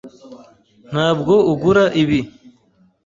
Ntabwo ugura ibi?